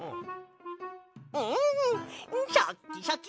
んシャッキシャキ！